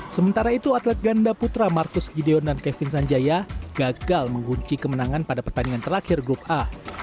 sementara itu atlet ganda putra marcus gideon dan kevin sanjaya gagal mengunci kemenangan pada pertandingan terakhir grup a